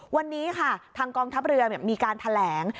วันนี้ค่ะทางกองทัพเรือมีการแถลง